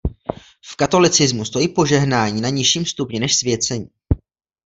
V katolicismu stojí požehnání na nižším stupni než svěcení.